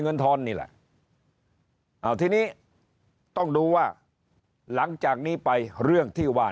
ทอนนี่แหละเอาทีนี้ต้องดูว่าหลังจากนี้ไปเรื่องที่ว่า